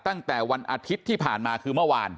ตั้งแต่วันอาทิตย์ที่ผ่านมาคือเมื่อวาน